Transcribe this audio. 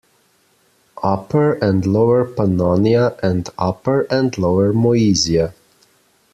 Upper and Lower Pannonia and Upper and Lower Moesia.